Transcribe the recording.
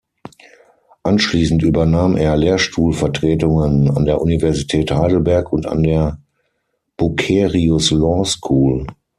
Anschließend übernahm er Lehrstuhlvertretungen an der Universität Heidelberg und an der Bucerius Law School.